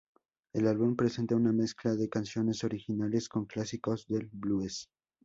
El álbum presenta una mezcla de canciones originales con clásicos del blues.